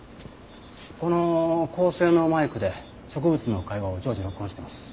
この高性能マイクで植物の会話を常時録音してます。